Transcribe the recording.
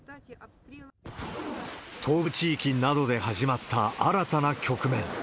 東部地域などで始まった新たな局面。